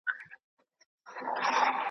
فقیران لکه سېلونه د کارګانو .